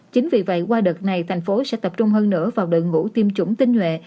chính vì vậy qua đợt này tp hcm sẽ tập trung hơn nữa vào đợt ngũ tiêm chủng tinh nguệ